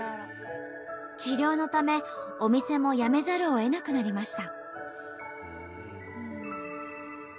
治療のためお店も辞めざるをえなくなりました。